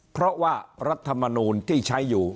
เพราะว่ารัฐมนูลที่ใช้อยู่